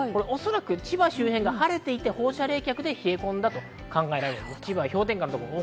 おそらく千葉周辺が晴れていて放射冷却で冷え込んだと考えられます。